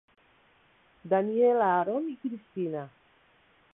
Daniel Aaron i Cristina.